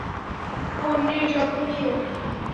পোন্নির যত্ন নিও।